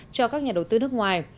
cho các nhà đầu tư nước ngoài